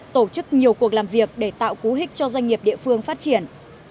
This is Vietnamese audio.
tổ chức nhiều cuộc làm việc để tạo cú hích cho doanh nghiệp địa phương phát triển